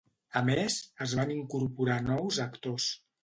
A més, es van incorporar nous actors.